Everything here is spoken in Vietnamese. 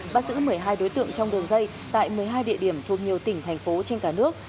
bắt giữ một mươi hai đối tượng trong đường dây tại một mươi hai địa điểm thuộc nhiều tỉnh thành phố trên cả nước